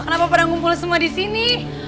kenapa pada ngumpul semua disini